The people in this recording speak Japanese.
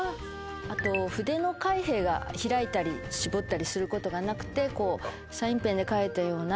あと筆の開閉が開いたり絞ったりすることがなくてサインペンで書いたような。